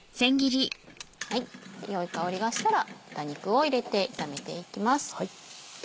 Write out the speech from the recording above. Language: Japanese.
良い香りがしたら豚肉を入れて炒めていきます。